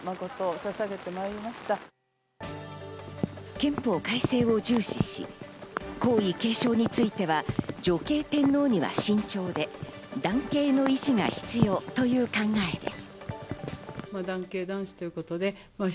憲法改正を重視し、皇位継承については女系天皇には慎重で、男系の維持が必要という考えです。